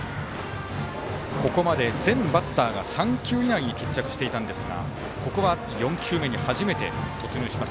ここまで全バッターが３球以内に決着していたんですがここは４球目に初めて突入しています。